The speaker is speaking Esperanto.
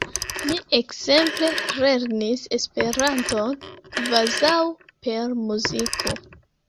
Mi ekzemple lernis Esperanton kvazaŭ per muziko.